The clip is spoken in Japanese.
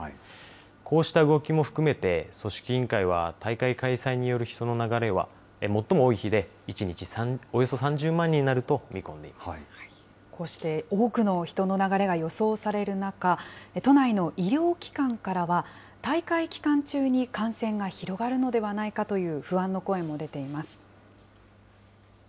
こうした動きも含めて、組織委員会は大会開催による人の流れは、最も多い日で１日およそ３０万人こうして多くの人の流れが予想される中、都内の医療機関からは、大会期間中に感染が広がるのではないかという不安の声も出ています。